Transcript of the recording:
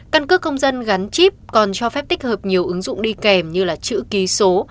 căn cước công dân gắn chip còn cho phép tích hợp nhiều ứng dụng đi kèm như là chữ ký số